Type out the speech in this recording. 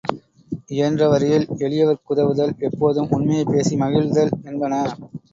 இயன்றவரையில் எளியவர்க்குதவுதல், எப்போதும் உண்மையே பேசி மகிழ்தல் என்பன.